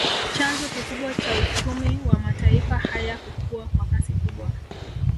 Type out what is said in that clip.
Chanzo kikubwa cha uchumi wa mataifa haya kukua kwa kasi kubwa